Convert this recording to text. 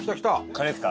カレーですか？